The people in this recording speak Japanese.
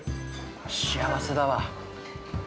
幸せだわ。